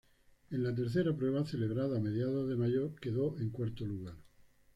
En la tercera prueba, celebrada a mediados de mayo quedó en cuarto lugar.